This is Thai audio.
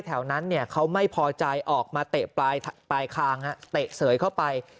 แถวนั้นเขาไม่พอใจออกมาเตะปลายคางเตะเสยเข้าไป